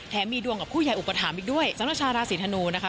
มีดวงกับผู้ใหญ่อุปถัมภ์อีกด้วยสำหรับชาวราศีธนูนะคะ